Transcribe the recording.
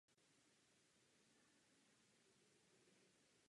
Věřící z této vesnice dosud scházejí v sále obecního úřadu.